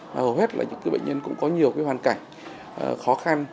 mà hầu hết là những bệnh nhân cũng có nhiều cái hoàn cảnh khó khăn